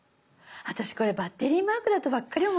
私これバッテリーマークだとばっかり思ってた。